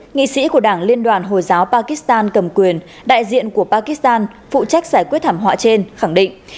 nghị sĩ của đảng liên đoàn hồi giáo pakistan cầm quyền đại diện của pakistan phụ trách giải quyết thảm họa trên khẳng định